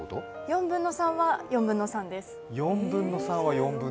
４分の３は４分の３です。